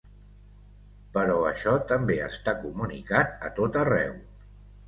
Però això també està comunicat a tot arreu.